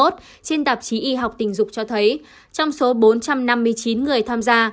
trên tạp chí y học tình dục cho thấy trong số bốn trăm năm mươi chín người tham gia